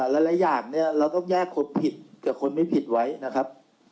หลายอย่างเนี่ยเราต้องแยกคนผิดกับคนไม่ผิดไว้นะครับ